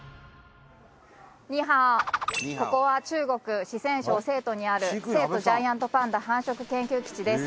ここは中国四川省成都にある成都ジャイアントパンダ繁殖研究基地です